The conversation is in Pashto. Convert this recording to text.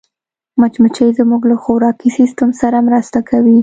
مچمچۍ زموږ له خوراکي سیسټم سره مرسته کوي